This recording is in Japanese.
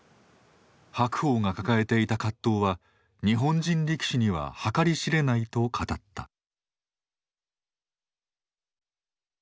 白鵬が抱えていた葛藤は日本人力士には計り知れないと語った。